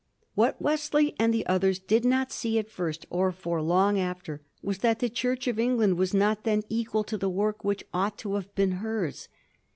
What Wesley and the others did not see at first, or for long after, was that the Church of England was not then equal to the work which ought to have been hers.